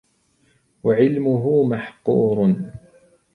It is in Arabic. وَعِلْمُهُ مَحْقُورٌ